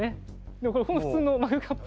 でもこれ普通のマグカップ。